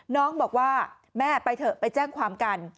น้องบอกว่าแม่ไปเถอะไปแจ้งความกัน